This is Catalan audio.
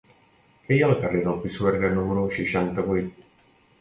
Què hi ha al carrer del Pisuerga número seixanta-vuit?